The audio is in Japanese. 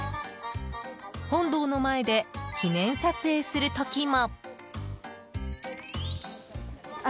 本堂の前で記念撮影する時も。